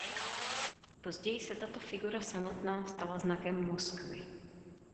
Později se tato figura samotná stala znakem Moskvy.